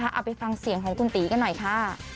เอาไปฟังเสียงของคุณตีกันหน่อยค่ะ